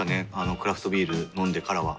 クラフトビール飲んでからは。